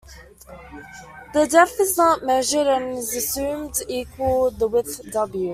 The depth is not measured and is assumed to equal the width "W".